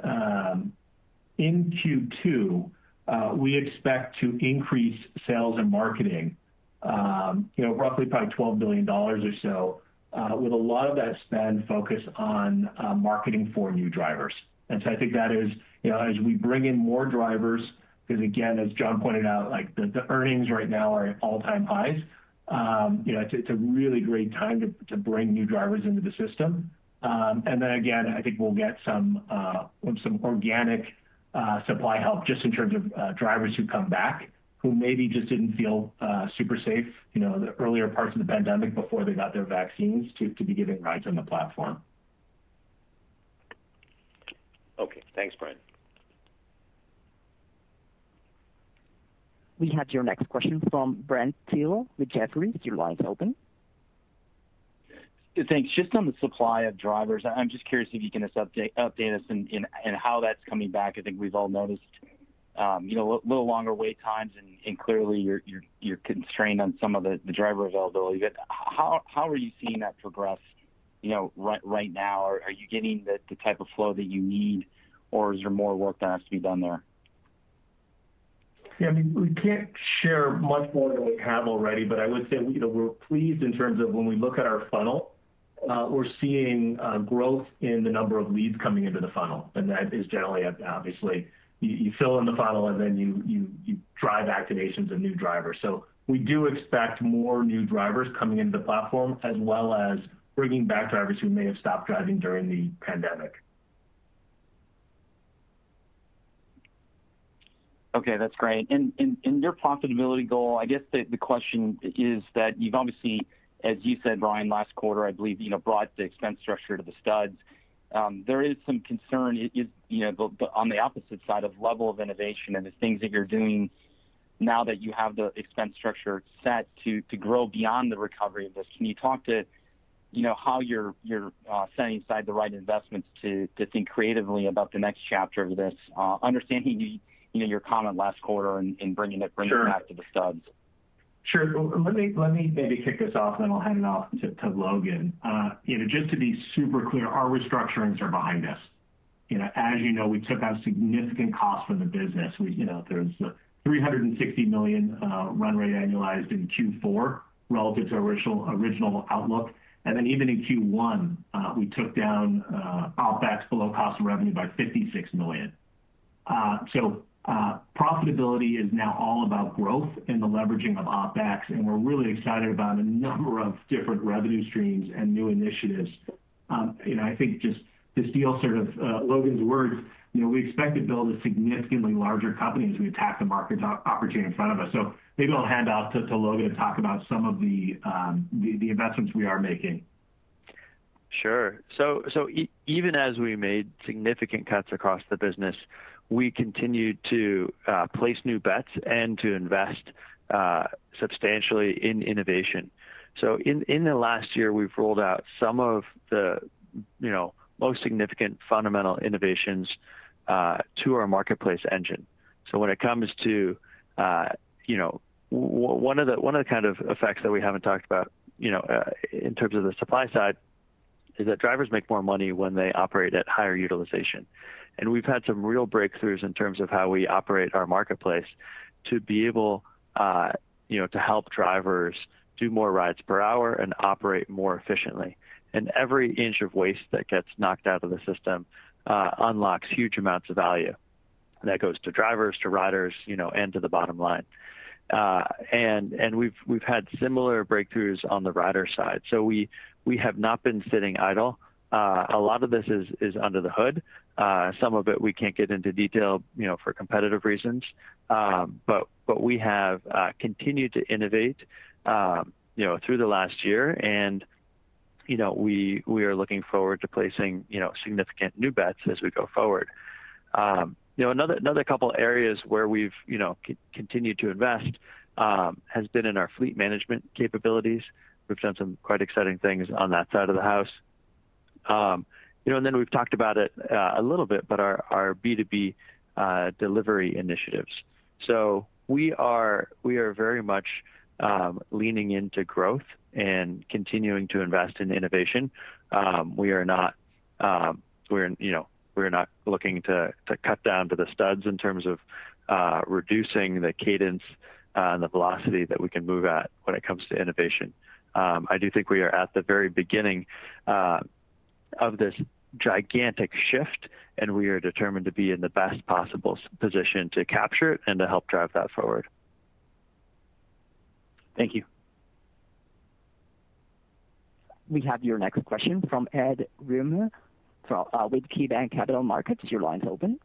S4: Q2, we expect to increase sales and marketing roughly by $12 million or so, with a lot of that spend focused on marketing for new drivers. I think as we bring in more drivers, because again, as John pointed out, the earnings right now are at all-time highs. It's a really great time to bring new drivers into the system. Again, I think we'll get some organic supply help, just in terms of drivers who come back, who maybe just didn't feel super safe in the earlier parts of the pandemic before they got their vaccines to be giving rides on the platform.
S9: Okay. Thanks, Brian.
S1: We have your next question from Brent Thill with Jefferies. Your line's open.
S10: Thanks. Just on the supply of drivers, I'm just curious if you can just update us on how that's coming back. I think we've all noticed a little longer wait times, and clearly, you're constrained on some of the driver availability. How are you seeing that progress right now? Are you getting the type of flow that you need, or is there more work that has to be done there?
S4: Yeah, we can't share much more than we have already. I would say we're pleased in terms of when we look at our funnel, we're seeing growth in the number of leads coming into the funnel. That is generally, obviously, you fill in the funnel, and then you drive activations of new drivers. We do expect more new drivers coming into the platform, as well as bringing back drivers who may have stopped driving during the pandemic.
S10: Okay, that's great. In your profitability goal, I guess the question is that you've obviously, as you said, Brian, last quarter, I believe, brought the expense structure to the studs. There is some concern on the opposite side of level of innovation and the things that you're doing now that you have the expense structure set to grow beyond the recovery of this. Can you talk to how you're setting aside the right investments to think creatively about the next chapter of this, understanding your comment last quarter?
S4: Sure
S10: It back to the studs?
S4: Sure. Let me maybe kick this off, and then I'll hand it off to Logan. Just to be super clear, our restructurings are behind us. As you know, we took out significant costs from the business. There's the $360 million run rate annualized in Q4 relative to original outlook. Even in Q1, we took down OPEX below cost of revenue by $56 million. Profitability is now all about growth and the leveraging of OPEX, and we're really excited about a number of different revenue streams and new initiatives. I think just to steal sort of Logan's words, we expect to build a significantly larger company as we attack the market opportunity in front of us. Maybe I'll hand off to Logan to talk about some of the investments we are making.
S3: Sure. Even as we made significant cuts across the business, we continued to place new bets and to invest substantially in innovation. In the last year, we've rolled out some of the most significant fundamental innovations to our marketplace engine. When it comes to one of the kind of effects that we haven't talked about, in terms of the supply side, is that drivers make more money when they operate at higher utilization. We've had some real breakthroughs in terms of how we operate our marketplace to be able to help drivers do more rides per hour and operate more efficiently. Every inch of waste that gets knocked out of the system unlocks huge amounts of value that goes to drivers, to riders, and to the bottom line. We've had similar breakthroughs on the rider side. We have not been sitting idle. A lot of this is under the hood. Some of it we can't get into detail for competitive reasons. We have continued to innovate through the last year, and we are looking forward to placing significant new bets as we go forward. Another couple areas where we've continued to invest has been in our fleet management capabilities. We've done some quite exciting things on that side of the house. Then we've talked about it a little bit, but our B2B delivery initiatives. We are very much leaning into growth and continuing to invest in innovation. We're not looking to cut down to the studs in terms of reducing the cadence and the velocity that we can move at when it comes to innovation. I do think we are at the very beginning of this gigantic shift, and we are determined to be in the best possible position to capture it and to help drive that forward.
S10: Thank you.
S1: We have your next question from Ed Yruma with KeyBanc Capital Markets. Your line's open.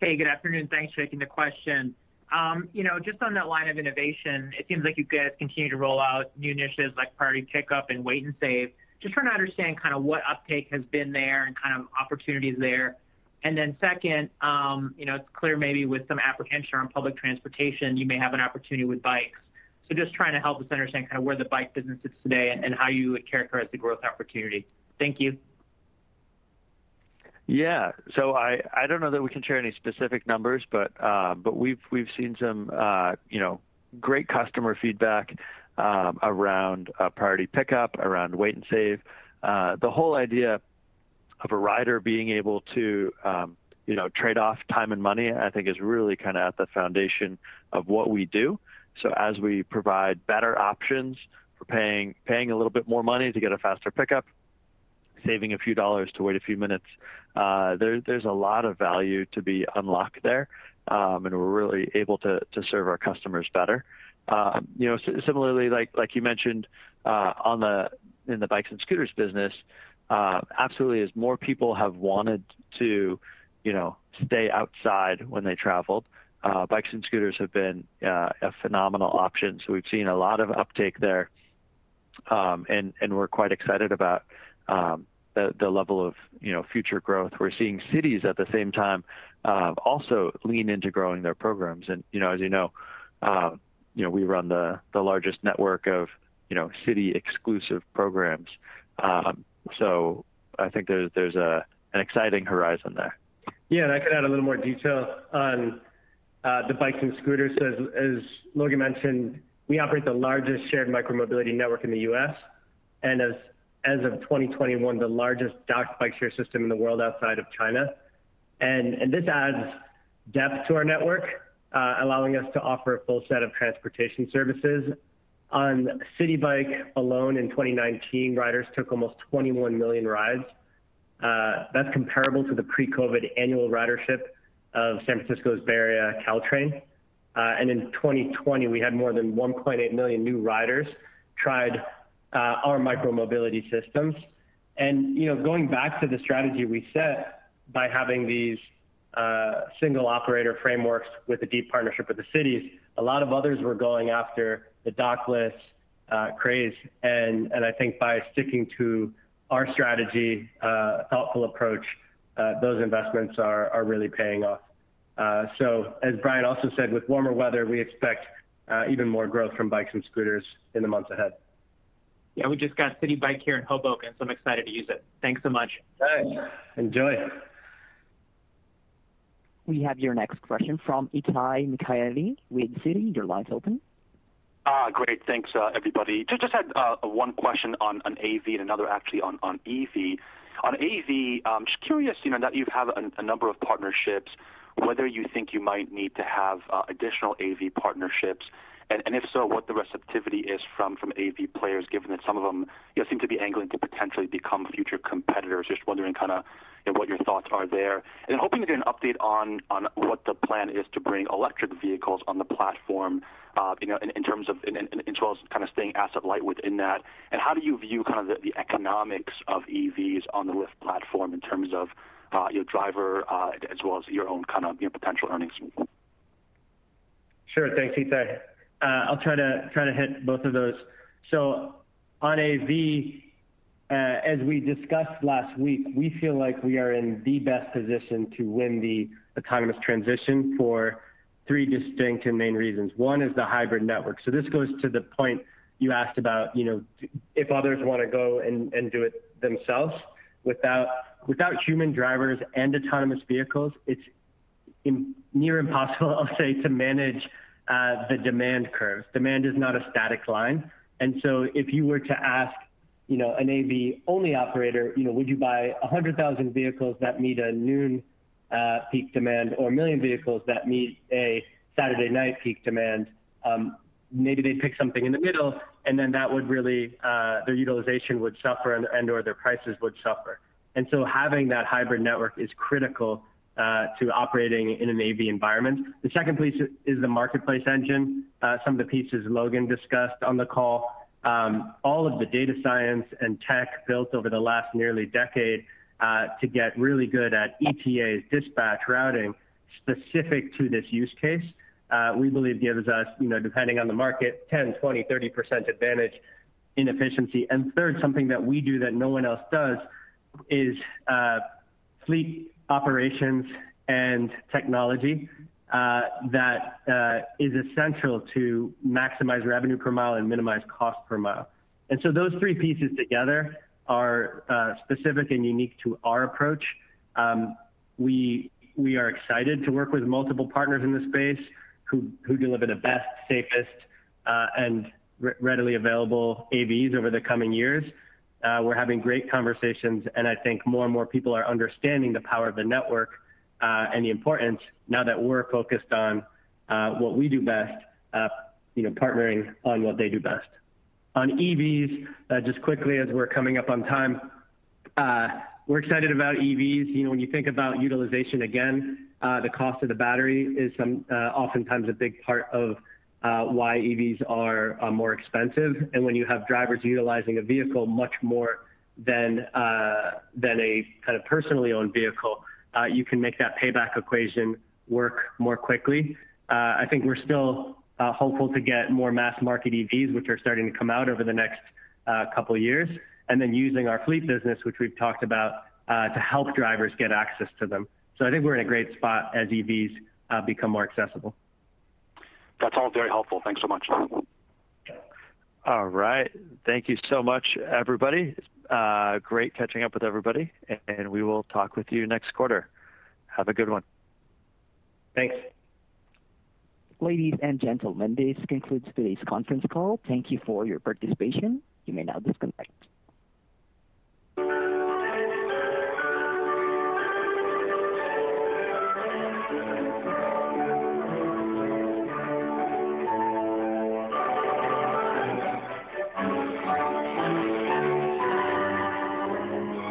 S11: Hey, good afternoon. Thanks for taking the question. Just on that line of innovation, it seems like you guys continue to roll out new initiatives like Priority Pickup and Wait & Save. Just trying to understand kind of what uptake has been there and kind of opportunities there? Second, it's clear maybe with some applicants who are on public transportation, you may have an opportunity with bikes. Just trying to help us understand kind of where the bike business sits today and how you would characterize the growth opportunity? Thank you.
S3: I don't know that we can share any specific numbers, but we've seen some great customer feedback around Priority Pickup, around Wait & Save. The whole idea of a rider being able to trade off time and money, I think is really at the foundation of what we do. As we provide better options for paying a little bit more money to get a faster pickup, saving a few dollars to wait a few minutes, there's a lot of value to be unlocked there, and we're really able to serve our customers better. Similarly, like you mentioned, in the bikes and scooters business, absolutely, as more people have wanted to stay outside when they travel, bikes and scooters have been a phenomenal option. We've seen a lot of uptake there, and we're quite excited about the level of future growth. We're seeing cities at the same time also lean into growing their programs. As you know, we run the largest network of city-exclusive programs. I think there's an exciting horizon there.
S5: I could add a little more detail on the bikes and scooters. As Logan mentioned, we operate the largest shared micro-mobility network in the U.S., and as of 2021, the largest docked bike-share system in the world outside of China. This adds depth to our network, allowing us to offer a full set of transportation services. On Citi Bike alone in 2019, riders took almost 21 million rides. That's comparable to the pre-COVID annual ridership of San Francisco's Bay Area Caltrain. In 2020, we had more than 1.8 million new riders try our micro-mobility systems. Going back to the strategy we set by having these single-operator frameworks with a deep partnership with the cities, a lot of others were going after the dockless craze. I think by sticking to our strategy, a thoughtful approach, those investments are really paying off. As Brian also said, with warmer weather, we expect even more growth from bikes and scooters in the months ahead.
S11: We just got Citi Bike here in Hoboken, so I'm excited to use it. Thanks so much.
S5: Nice. Enjoy.
S1: We have your next question from Itay Michaeli with Citi. Your line's open.
S12: Great. Thanks everybody. Just had one question on AV and another actually on EV. On AV, I'm just curious, now that you have a number of partnerships, whether you think you might need to have additional AV partnerships, and if so, what the receptivity is from AV players, given that some of them seem to be angling to potentially become future competitors. Just wondering what your thoughts are there. Hoping to get an update on what the plan is to bring electric vehicles on the platform in terms of staying asset light within that, and how do you view the economics of EVs on the Lyft platform in terms of your driver as well as your own potential earnings movement?
S5: Sure. Thanks, Itay. I'll try to hit both of those. On AV, as we discussed last week, we feel like we are in the best position to win the autonomous transition for three distinct and main reasons. One is the hybrid network. This goes to the point you asked about if others want to go and do it themselves. Without human drivers and autonomous vehicles, it's near impossible, I'll say, to manage the demand curves. Demand is not a static line. If you were to ask an AV-only operator, would you buy 100,000 vehicles that meet a noon peak demand or 1 million vehicles that meet a Saturday night peak demand? Maybe they'd pick something in the middle, and then their utilization would suffer and/or their prices would suffer. Having that hybrid network is critical to operating in an AV environment. The second piece is the marketplace engine. Some of the pieces Logan discussed on the call. All of the data science and tech built over the last nearly decade to get really good at ETA dispatch routing specific to this use case, we believe gives us, depending on the market, 10%, 20%, 30% advantage in efficiency. Third, something that we do that no one else does is fleet operations and technology that is essential to maximize revenue per mile and minimize cost per mile. Those three pieces together are specific and unique to our approach. We are excited to work with multiple partners in this space who deliver the best, safest, and readily available AVs over the coming years. We're having great conversations, and I think more and more people are understanding the power of the network, and the importance now that we're focused on what we do best, partnering on what they do best. On EVs, just quickly as we're coming up on time, we're excited about EVs. When you think about utilization, again, the cost of the battery is oftentimes a big part of why EVs are more expensive. When you have drivers utilizing a vehicle much more than a personally-owned vehicle, you can make that payback equation work more quickly. I think we're still hopeful to get more mass-market EVs, which are starting to come out over the next couple of years. Using our fleet business, which we've talked about, to help drivers get access to them. I think we're in a great spot as EVs become more accessible.
S12: That's all very helpful. Thanks so much.
S3: All right. Thank you so much, everybody. Great catching up with everybody. We will talk with you next quarter. Have a good one.
S5: Thanks.
S1: Ladies and gentlemen, this concludes today's conference call. Thank you for your participation. You may now disconnect.